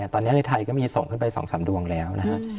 ตอนนี้ในไทยก็มีส่งขึ้นไป๒๓ดวงแล้วนะฮะ